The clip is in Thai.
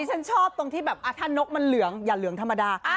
ฉันชอบตรงที่แบบถ้านกมันเหลืองอย่าเหลืองธรรมดา